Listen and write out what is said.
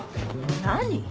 何？